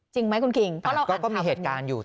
จริงไหมคุณคิงเพราะเราก็มีเหตุการณ์อยู่